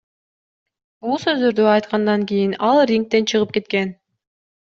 Бул сөздөрдү айткандан кийин ал рингден чыгып кеткен.